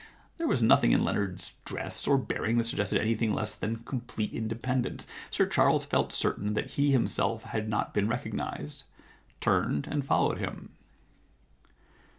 There was nothing in Leonard's dress or bearing that suggested anything less than complete independence. Sir Charles felt certain that he himself had not been recognised, turned, and followed him.